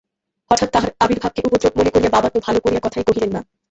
হঠাৎ তাঁহার আবির্ভাবকে উপদ্রব মনে করিয়া বাবা তো ভালো করিয়া কথাই কহিলেন না।